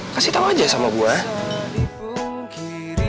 kasih tau aja sama gue